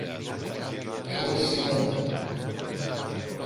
Εγώ το θυμούμαι!